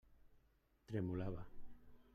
Tremolava.